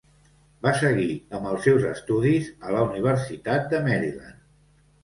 Va seguir amb els seus estudis a la Universitat de Maryland.